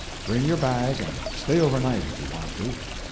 Bring your bag and stay overnight if you want to.